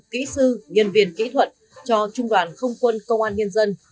kỹ sư nhân viên kỹ thuật cho trung đoàn không quân công an nhân dân